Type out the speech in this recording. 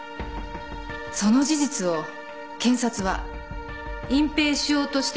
その事実を検察は隠蔽しようとしていた。